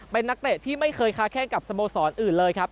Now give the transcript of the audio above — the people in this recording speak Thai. เป็นนักเตะที่ไม่เคยค้าแข้งกับสโมสรอื่นเลยครับ